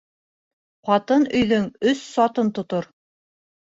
Ҡатын өйҙөң өс сатын тотор.